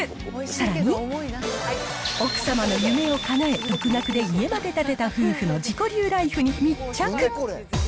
さらに、奥様の夢をかなえ、独学で家まで建てた夫婦の自己流ライフに密着。